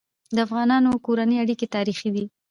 د افغانانو کورنی اړيکي تاریخي دي.